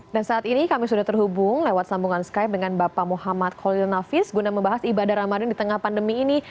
dan saat ini kami sudah terhubung lewat sambungan skype dengan bapak muhammad kolil nafis guna membahas ibadah ramadan di tengah pandemi ini